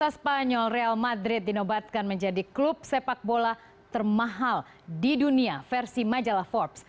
spanyol real madrid dinobatkan menjadi klub sepak bola termahal di dunia versi majalah forbes